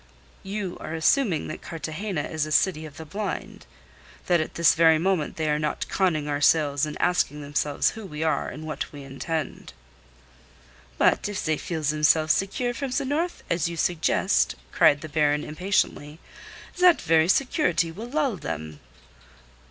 "You are assuming that Cartagena is a city of the blind, that at this very moment they are not conning our sails and asking themselves who we are and what we intend." "But if they feel themselves secure from the north, as you suggest," cried the Baron impatiently, "that very security will lull them."